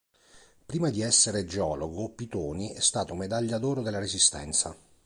Prima di essere geologo Pitoni è stato medaglia d'oro della Resistenza.